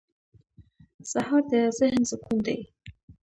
سهار د ذهن سکون دی.